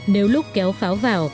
nếu lúc kéo pháo vào